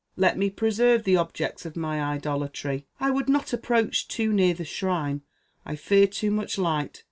Let me preserve the objects of my idolatry; I would not approach too near the shrine; I fear too much light.